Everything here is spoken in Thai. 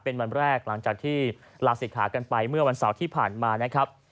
เป็นวันแรกหลังจากที่ลาศิกขากันไปเมื่อวันเสาร์ที่ผ่านมานะครับ